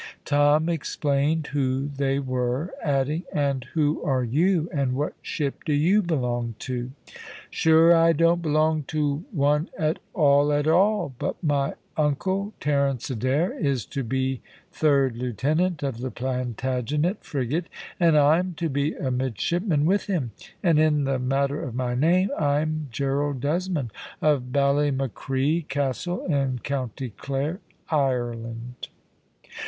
Tom explained who they were, adding, "And who are you, and what ship do you belong to?" "Sure I don't belong to one at all at all, but my Uncle, Terence Adair, is to be third lieutenant of the Plantagenet frigate, and I'm to be a midshipman with him; and in the matter of my name, I'm Gerald Desmond, of Ballymacree Castle, in County Clare, Ireland."